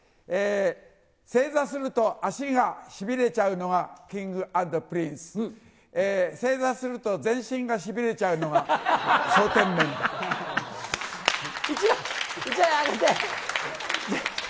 正座すると足がしびれちゃうのはＫｉｎｇ＆Ｐｒｉｎｃｅ、正座すると全身がしびれちゃうのは笑点メンバー。